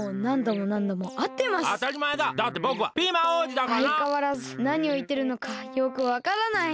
あいかわらずなにをいってるのかよくわからない！